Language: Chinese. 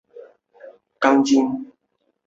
该片是元奎进军国际影坛的第二部电影作品。